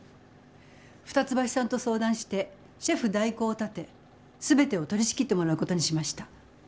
二ツ橋さんと相談してシェフ代行を立て全てを取りしきってもらうことにしました。